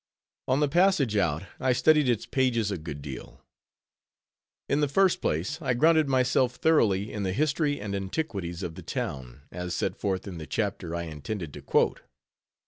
On the passage out I studied its pages a good deal. In the first place, I grounded myself thoroughly in the history and antiquities of the town, as set forth in the chapter I intended to quote.